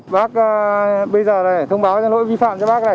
bác bây giờ này thông báo cho lỗi vi phạm cho bác này